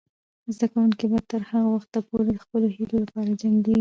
زده کوونکې به تر هغه وخته پورې د خپلو هیلو لپاره جنګیږي.